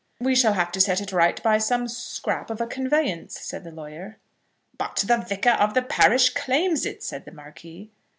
"We shall have to set it right by some scrap of a conveyance," said the lawyer. "But the Vicar of the parish claims it," said the Marquis.